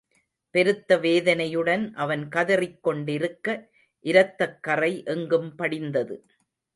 பெருத்த வேதனையுடன் அவன் கதறிக் கொண்டிருக்க இரத்தக் கறை எங்கும் படிந்தது.